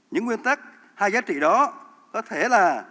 những nguyên tắc hay giá trị đó có thể là